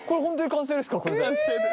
完成です。